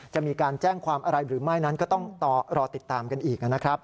จะมีการแจ้งความอะไรหรือไม่นั้นก็ต้องรอติดตามกันอีกนะครับ